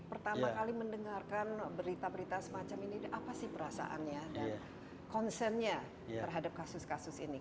pertama kali mendengarkan berita berita semacam ini apa sih perasaannya dan concernnya terhadap kasus kasus ini